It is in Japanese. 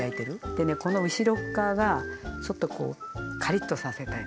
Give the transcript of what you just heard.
でねこの後ろっかわがちょっとこうカリッとさせたい。